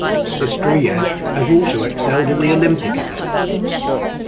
Nestruyev has also excelled in the Olympic events.